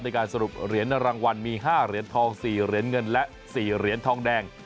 สรุปเหรียญรางวัลมี๕เหรียญทอง๔เหรียญเงินและ๔เหรียญทองแดง